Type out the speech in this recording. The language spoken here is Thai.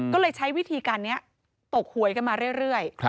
ก็เลยใช้วิธีการนี้ตกหวยกันมาเรื่อย